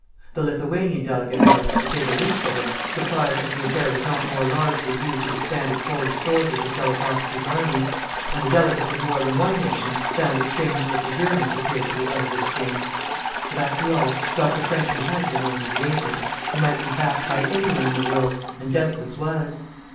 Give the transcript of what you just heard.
The Lithuanian delegate was, to say the least of it, surprised that the affair was not more largely due to disbanded Polish soldiers of Zeligowski's army, and the delegates of more than one nation found it strange that the Germans appeared to be out of this thing. But, after all, Dr. Franchi had been only the agent; he might be backed by any one in the world, and doubtless was.